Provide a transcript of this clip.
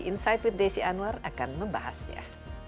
insight with desi anwar akan membahasnya